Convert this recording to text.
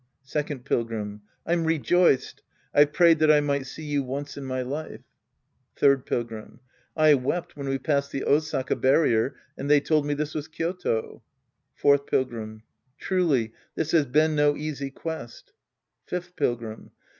Second Pilgrim. I'm rejoiced. I've prayed that I might see you once in my life. lliird Pilgrim. I wept when we passed the Osaka barrier and they told me this was Kyoto. Fourth Pilgrim. Truly this has been no easy quest. Fifth Pilgrim.